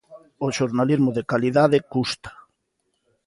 O xornalismo de calidade custa.